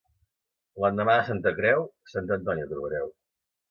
L'endemà de Santa Creu, Santa Antònia trobareu.